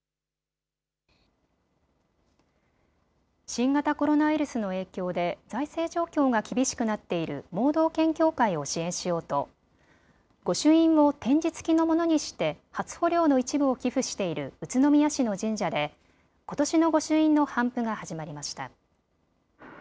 新型コロナウイルスの影響で財政状況が厳しくなっている盲導犬協会を支援しようと御朱印を点字付きのものにして初穂料の一部を寄付している宇都宮市の神社でことしの御朱印の頒布が始まりました。